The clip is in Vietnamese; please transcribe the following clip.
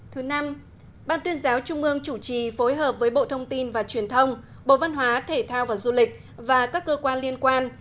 thứ năm ban tuyên giáo trung ương chủ trì phối hợp với bộ thông tin và truyền thông bộ văn hóa thể thao và du lịch và các cơ quan liên quan